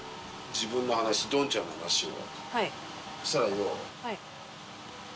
自分の話どんちゃんの話を。